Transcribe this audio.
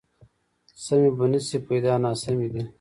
سمې به نه شي، پیدا ناسمې دي